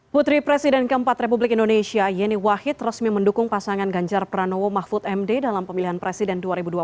putri presiden keempat republik indonesia yeni wahid resmi mendukung pasangan ganjar pranowo mahfud md dalam pemilihan presiden dua ribu dua puluh